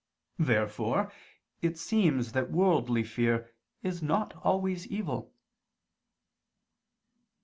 Therefore it seems that worldly fear is not always evil.